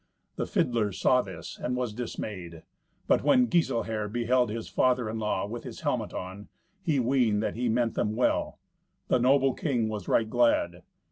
The fiddler saw this, and was dismayed. But when Giselher beheld his father in law with his helmet on, he weened that he meant them well. The noble king was right glad.